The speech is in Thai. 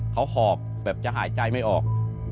เขาหอบแบบจะหายใจไม่ออก